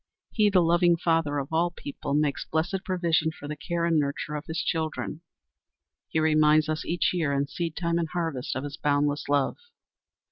He, the loving Father of all people, makes blessed provision for the care and nurture of his children. He reminds us each year, in seedtime and harvest, of his boundless love.